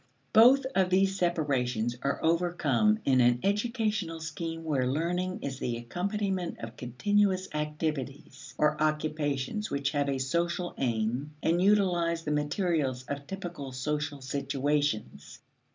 Both of these separations are overcome in an educational scheme where learning is the accompaniment of continuous activities or occupations which have a social aim and utilize the materials of typical social situations.